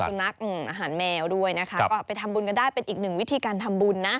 สุนัขอาหารแมวด้วยนะคะก็ไปทำบุญกันได้เป็นอีกหนึ่งวิธีการทำบุญนะ